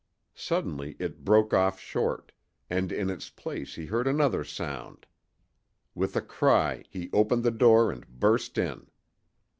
Suddenly it broke off short, and in its place he heard another sound. With a cry he opened the door and burst in.